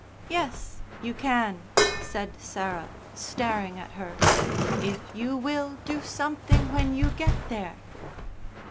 "Yes. You can," said Sarah, staring at her, "if you will do something when you get there."